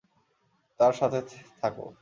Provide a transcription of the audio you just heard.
তার সাথে থাকো।